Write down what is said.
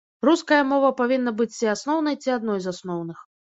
Руская мова павінна быць ці асноўнай, ці адной з асноўных.